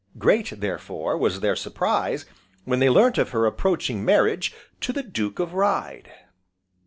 Great, therefore, was their surprise when they learnt of her approaching marriage to the Duke of Ryde.